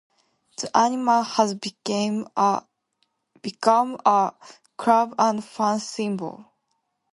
The animal has become a club and fan symbol.